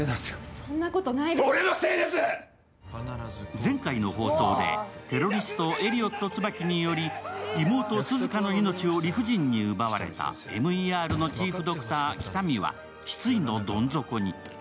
前回の放送で、テロリスト、エリオット椿により妹・涼香の命を理不尽に奪われたＭＥＲのチーフドクター、喜多見は失意のどん底に。